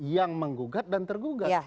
yang menggugat dan tergugat